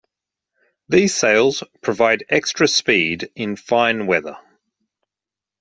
These sails provide extra speed in fine weather.